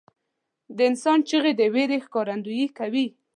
• د انسان چیغې د وېرې ښکارندویي کوي.